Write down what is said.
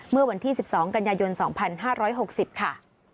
เมื่อวันที่๑๒กันยายน๒๕๖๐ค่ะ